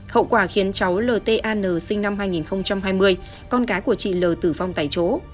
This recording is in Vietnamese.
hậu quả khiến cháu ln sinh năm hai nghìn hai mươi con cái của chị l tử vong tại chỗ